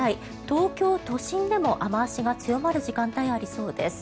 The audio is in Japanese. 東京都心でも雨脚が強まる時間帯がありそうです。